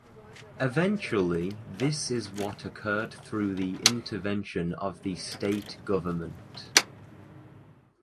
Eventually this is what occurred through the intervention of the State Government.